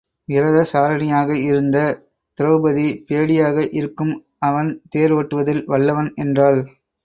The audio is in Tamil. விரதசாரணியாக இருந்த திரெளபதி பேடியாக இருக்கும் அவன் தேர் ஒட்டுவதில் வல்லவன் என்றாள்.